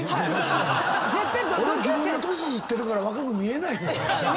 俺は自分の年知ってるから若く見えないねん。